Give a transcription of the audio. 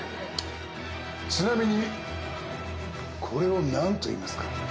ちなみにこれを何と言いますか？